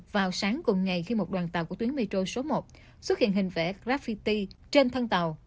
vào sáng cùng ngày khi một đoàn tàu của tuyến metro số một xuất hiện hình vẽ graffity trên thân tàu